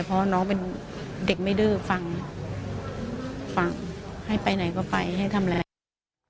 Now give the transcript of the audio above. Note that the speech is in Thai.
เพราะน้องเป็นเด็กไม่ดื้อฟังฟังให้ไปไหนก็ไปให้ทำอะไร